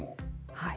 はい。